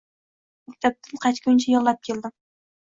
Maktabdan qaytguncha yig`lab keldim